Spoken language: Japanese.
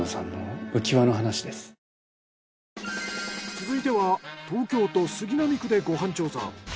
続いては東京都杉並区でご飯調査。